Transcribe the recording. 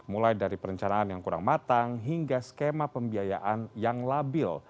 mulai dari perencanaan yang kurang matang hingga skema pembiayaan yang labil